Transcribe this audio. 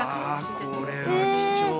これは貴重。